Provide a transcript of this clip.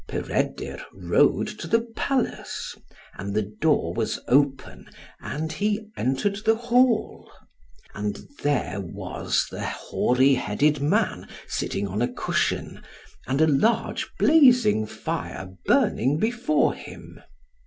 Peredur rode to the palace, and the door was open, and he entered the hall. And there was the hoary headed man sitting on a cushion, and a large blazing fire burning before him.